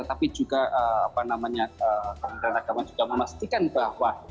tapi juga kementerian agama juga memastikan bahwa